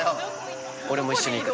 俺も一緒に行く。